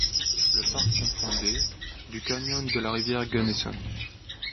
Le parc comprend des du canyon de la rivière Gunnison.